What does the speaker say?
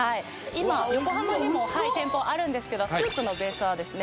今横浜にも店舗あるんですけどスープのベースはですね